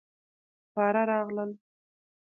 سپاره راغلل.